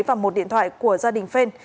và một điện thoại của gia đình phen